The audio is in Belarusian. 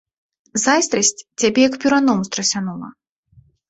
Зайздрасць цябе як перуном страсянула.